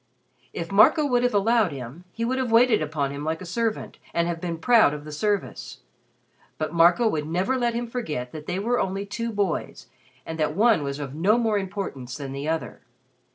If Marco would have allowed him, he would have waited upon him like a servant, and have been proud of the service. But Marco would never let him forget that they were only two boys and that one was of no more importance than the other.